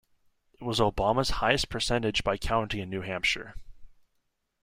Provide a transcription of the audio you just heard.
It was Obama's highest percentage by county in New Hampshire.